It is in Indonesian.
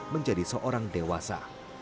menjadi seorang dewasa